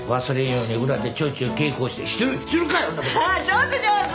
上手上手。